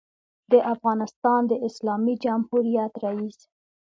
دافغانستان د اسلامي جمهوریت رئیس